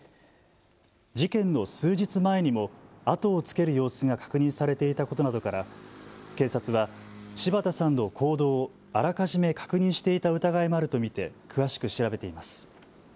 事件の数日前にも後をつける様子が確認されていたことなどから警察は柴田さんの行動をあらかじめ確認していた疑いもあると見て詳しく調べています。